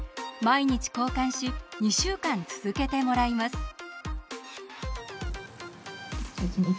毎日交換し２週間続けてもらいます。